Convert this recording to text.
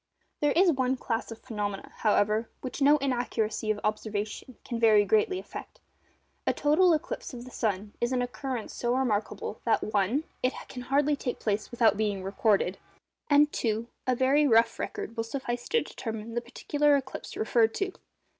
There is one class of phenomena, however, which no inaccuracy of observation can very greatly affect. A total eclipse of the sun is an occurrence so remarkable, that (1) it can hardly take place without being recorded, and (2) a very rough record will suffice to determine the particular eclipse referred to.